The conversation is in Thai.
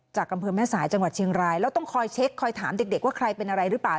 อำเภอแม่สายจังหวัดเชียงรายแล้วต้องคอยเช็คคอยถามเด็กว่าใครเป็นอะไรหรือเปล่า